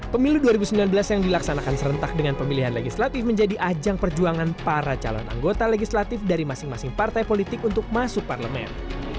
pemilu dua ribu sembilan belas yang dilaksanakan serentak dengan pemilihan legislatif menjadi ajang perjuangan para calon anggota legislatif dari masing masing partai politik untuk masuk parlemen